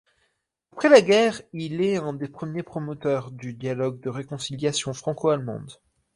Après la guerre, il est un des premiers promoteurs du dialogue de réconciliation franco-allemande.